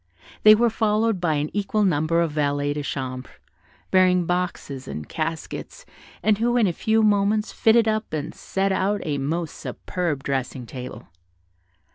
They were followed by an equal number of valets de chambre, bearing boxes and caskets, and who in a few moments fitted up and set out a most superb dressing table.